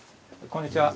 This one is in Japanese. こんにちは。